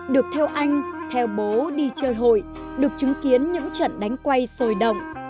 được theo anh theo bố đi chơi hội được chứng kiến những trận đánh quay sồi động